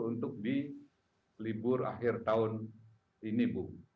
untuk di libur akhir tahun ini bu